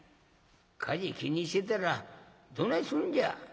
「火事気にしてたらどないするんじゃ？